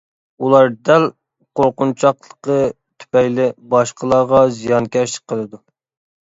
ئۇلار دەل قورقۇنچاقلىقى تۈپەيلى، باشقىلارغا زىيانكەشلىك قىلىدۇ.